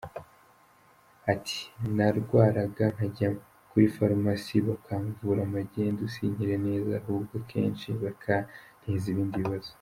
Ati “Narwaraga nkajya kuri farumasi bakamvura magendu sinkire neza ahubwo akenshi bikanteza ibindi bibazo.